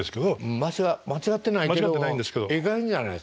間違ってないけどええかげんじゃないですか。